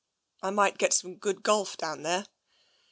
" I might get some good golf down there."